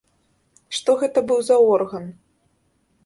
Што гэта быў за орган?